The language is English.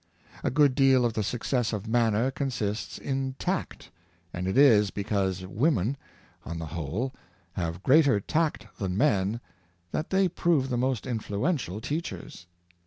A good deal of the success of manner consists in tact; and it is because women, on the whole, have greater tact than men, that they prove the most influential teachers.